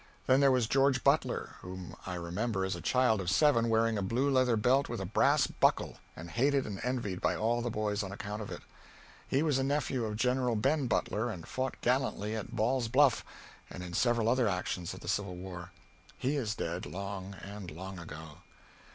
Then there was George Butler, whom I remember as a child of seven wearing a blue leather belt with a brass buckle, and hated and envied by all the boys on account of it. He was a nephew of General Ben Butler and fought gallantly at Ball's Bluff and in several other actions of the Civil War. He is dead, long and long ago.